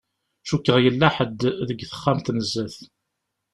Cukkeɣ yella ḥedd deg texxamt-nni n zdat.